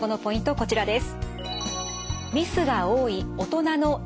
こちらです。